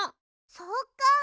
そっか。